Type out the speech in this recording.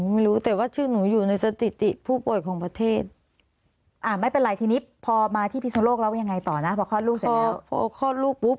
ไม่ทราบเหมือนกันค่ะหนูไม่รู้